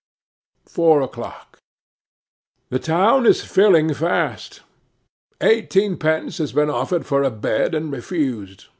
'Four o'clock. 'THE town is filling fast; eighteenpence has been offered for a bed and refused.